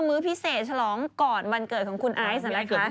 มื้อพิเศษฉลองก่อนรายละครของคุณไอส์